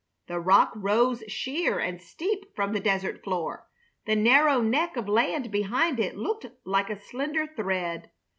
The rock rose sheer and steep from the desert floor. The narrow neck of land behind it looked like a slender thread.